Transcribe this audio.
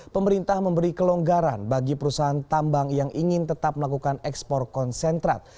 pemerintah memberi kelonggaran bagi perusahaan tambang yang ingin tetap melakukan ekspor konsentrat